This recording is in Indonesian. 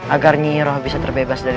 agar nyi iroh bisa terbebas dari